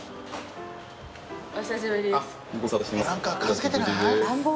お久しぶりです。